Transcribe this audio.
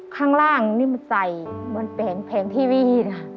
ข้างล่างนี่มันใส่เหมือนแผงทีวีนะ